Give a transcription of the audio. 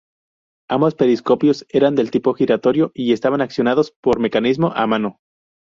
Ambos periscopios eran del tipo giratorio y estaban accionados por mecanismo a mano.